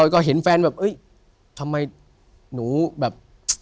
ก็เห็นแฟนแบบเอ้ยทำไมหนูแบบ